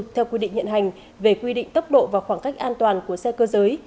theo quy định hiện hành về quy định tốc độ và khoảng cách an toàn của xe cơ giới